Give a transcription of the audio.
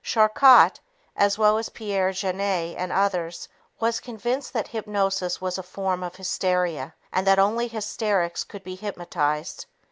Charcot, as well as Pierre Janet and others, was convinced that hypnosis was a form of hysteria and that only hysterics could be hypnotized.